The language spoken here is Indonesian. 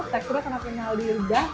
teksturnya sangat kenyal di reda